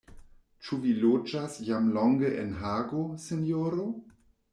Ĉu vi loĝas jam longe en Hago, sinjoro?